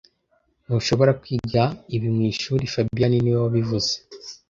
Ntushobora kwiga ibi mwishuri fabien niwe wabivuze